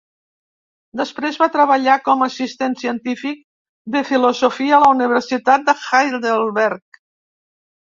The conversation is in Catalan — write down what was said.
Després va treballar com a assistent científic de filosofia a la Universitat de Heidelberg.